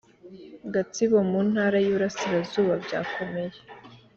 Gatsibo mu Intara y iburasirazuba byakomeye